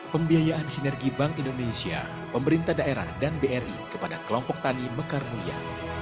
pembiayaan sinergi bank indonesia pemerintah daerah dan bri kepada kelompok tani mekar mulia